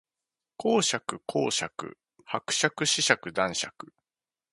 公爵侯爵伯爵子爵男爵